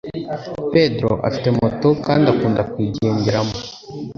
Pedro afite moto kandi akunda kuyigenderamo.